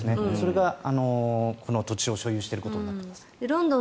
それがこの土地を所有していることになっています。